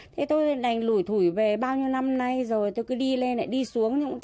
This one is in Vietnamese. thế tôi đành lủi thủi về bao nhiêu năm nay rồi tôi cứ đi lên lại đi xuống